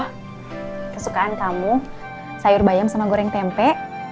kesukaan kamu sayur bayam sama goreng tempe